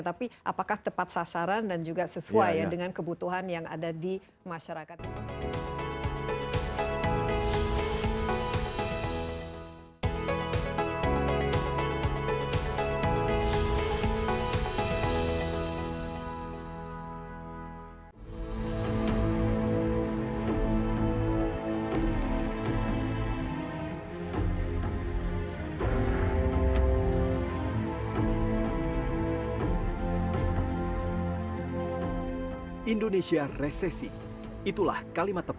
tapi apakah tepat sasaran dan juga sesuai ya dengan kebutuhan yang ada di masyarakat